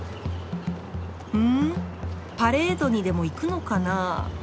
ふんパレードにでも行くのかな？